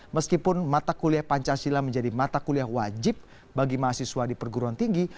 meskipun mata kuliah pancasila menjadi mata kuliah wajib bagi mahasiswa di perguruan tinggi